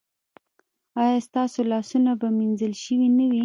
ایا ستاسو لاسونه به مینځل شوي نه وي؟